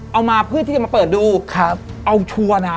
เอามาเพื่อที่จะมาเปิดดูครับเอาชัวร์นะฮะ